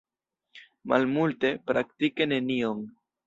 Malmulte, praktike nenion.